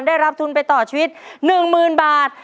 ได้รับทุนไปต่อชีวิต๑๐๐๐บาท